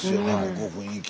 ここ雰囲気。